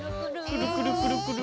くるくるくるくる！